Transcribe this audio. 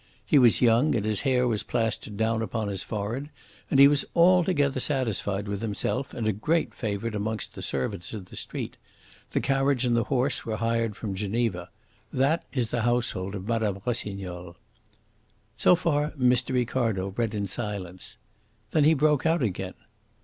He was young, and his hair was plastered down upon his forehead, and he was altogether satisfied with himself and a great favorite amongst the servants in the street. The carriage and the horse were hired from Geneva. That is the household of Mme. Rossignol." So far, Mr. Ricardo read in silence. Then he broke out again.